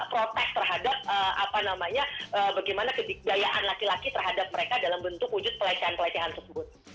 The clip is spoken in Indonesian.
protes terhadap apa namanya bagaimana kebidayaan laki laki terhadap mereka dalam bentuk wujud pelecehan pelecehan tersebut